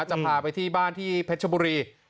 จะพาไปที่บ้านที่เพชรบุรี